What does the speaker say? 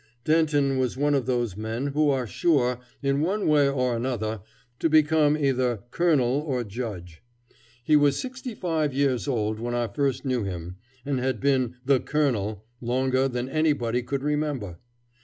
Denton was one of those men who are sure, in one way or another, to become either "colonel" or "judge." He was sixty five years old when I first knew him, and had been "the colonel" longer than anybody could remember.